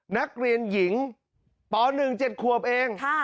นักเรียนหญิงป๑๗ขวบเอง